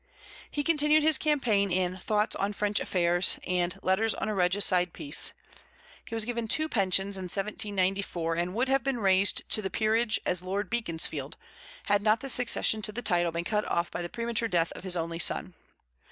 He continued his campaign in Thoughts on French Affairs and Letters on a Regicide Peace. He was given two pensions in 1794, and would have been raised to the peerage as Lord Beaconsfield, had not the succession to the title been cut off by the premature death of his only son.